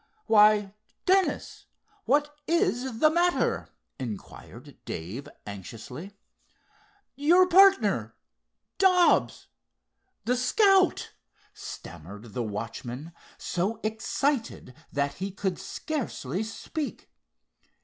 "Why, Dennis, what is the matter?" inquired Dave, anxiously. "Your partner, Dobbs—the Scout!" stammered the watchman, so excited that he could scarcely speak.